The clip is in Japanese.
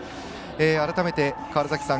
改めて、川原崎さん